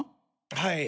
はい